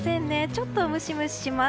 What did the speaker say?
ちょっとムシムシします。